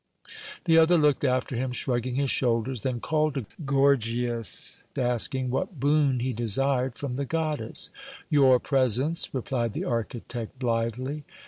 The other looked after him, shrugging his shoulders; then called to Gorgias, asking what boon he desired from the goddess. "Your presence," replied the architect blithely.